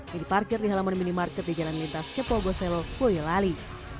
yang diparkir di halaman minimarket di jalan lintas cepogo selo boyolali